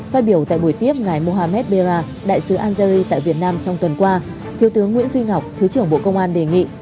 phai biểu tại buổi tiếp ngày mohammed berra đại sứ algeria tại việt nam trong tuần qua thiếu tướng nguyễn duy ngọc thứ trưởng bộ công an đề nghị